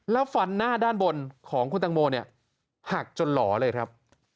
แล้วฟันหน้าด้านบนของคุณตังโมเนี่ยหักจนหล่อเลยครับ